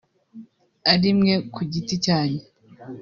ari mwe ku giti cyanyu